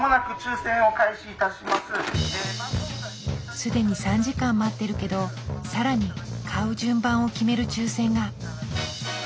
すでに３時間待ってるけどさらに買う順番を決める抽選が。